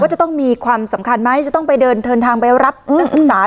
จะต้องมีความสำคัญไหมจะต้องไปเดินทางไปรับนักศึกษา